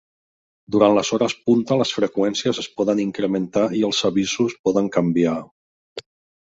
Durant les hores punta les freqüències es poden incrementar i els avisos poden canviar.